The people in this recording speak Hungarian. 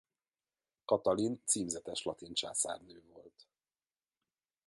Katalin címzetes latin császárnő volt.